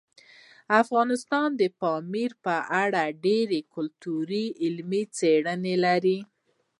افغانستان د پامیر په اړه ډېرې ګټورې علمي څېړنې لري.